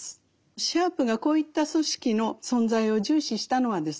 シャープがこういった組織の存在を重視したのはですね